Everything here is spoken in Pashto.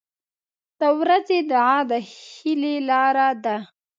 • د ورځې دعا د هیلې لاره ده.